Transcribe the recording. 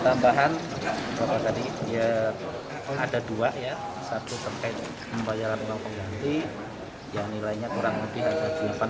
pidana tambahan ada dua ya satu terkait membayar nilai nilai nya kurang lebih ada delapan miliaran